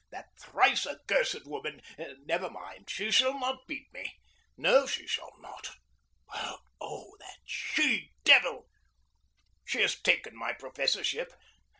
That thrice accursed woman! Never mind! She shall not beat me! No, she shall not! But, oh, the she devil! She has taken my professorship.